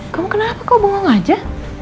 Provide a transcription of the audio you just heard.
kamu kenapa kau bohong aja